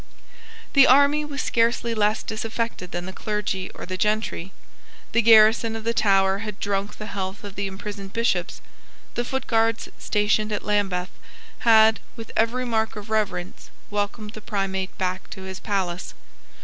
The army was scarcely less disaffected than the clergy or the gentry. The garrison of the Tower had drunk the health of the imprisoned Bishops. The footguards stationed at Lambeth had, with every mark of reverence, welcomed the Primate back to his palace.